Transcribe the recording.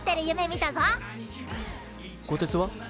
こてつは？